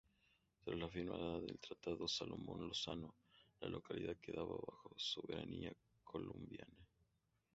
Tras la firma del tratado Salomón-Lozano, la localidad quedaba bajo soberanía colombiana.